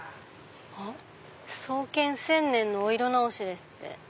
「創建１０００年のお色直し」ですって。